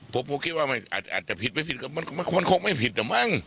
ผมคิดว่าอาจจะผิดไม่ผิดก็มันคงไม่ผิดอ่ะบ้าง